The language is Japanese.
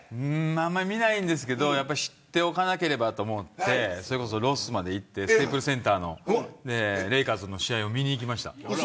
あんまり見ないですけど知っておかなければと思ってロスまで行ってステープルズ・センターのレイカーズの試合を見にいきました。